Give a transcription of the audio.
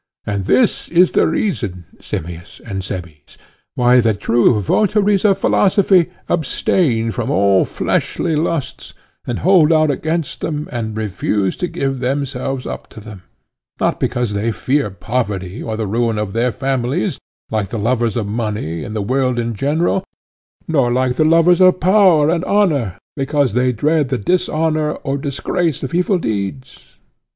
And this is the reason, Simmias and Cebes, why the true votaries of philosophy abstain from all fleshly lusts, and hold out against them and refuse to give themselves up to them,—not because they fear poverty or the ruin of their families, like the lovers of money, and the world in general; nor like the lovers of power and honour, because they dread the dishonour or disgrace of evil deeds.